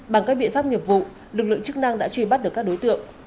bằng các biện pháp nghiệp vụ lực lượng chức năng đã truy bắt được các đối tượng